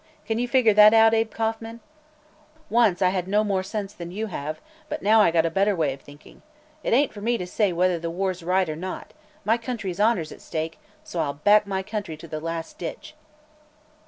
Can you figure that out, Abe Kauffman? Once I had more sense than you have, but now I got a better way of thinking. It ain't for me to say whether the war's right or not; my country's honor is at stake, so I'll back my country to the last ditch."